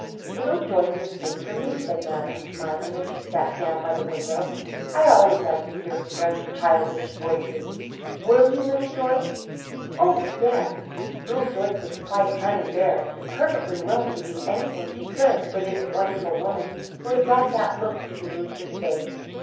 "Little Joyce must sing for me," said Madame, smiling, as she sat down by the window. "I always like to hear fresh, childish voices. Will you, Little Joyce?" "Oh, yes." Little Joyce was quite unembarrassed and perfectly willing to do anything she could for this wonderful woman who had brought that look to Denise's face.